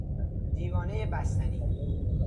دیوانهی بستنی